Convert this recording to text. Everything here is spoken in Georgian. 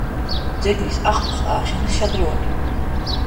ძეგლის ახლოს ააშენეს შადრევანი.